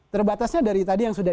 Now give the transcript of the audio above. terbatasnya dari tadi yang sudah